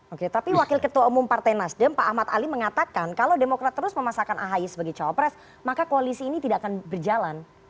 oke tapi wakil ketua umum partai nasdem pak ahmad ali mengatakan kalau demokrat terus memasakkan ahi sebagai cawapres maka koalisi ini tidak akan berjalan